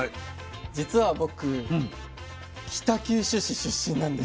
実は僕北九州市出身なんです。